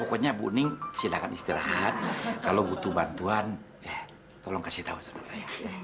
pokoknya bu ning silahkan istirahat kalau butuh bantuan eh tolong kasih tahu sama saya